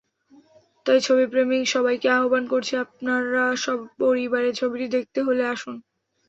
তাই ছবিপ্রেমী সবাইকে আহ্বান করছি, আপনারা সপরিবারে ছবিটি দেখতে হলে আসুন।